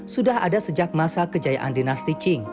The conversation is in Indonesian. sudah ada sejak masa kejayaan dinasti ching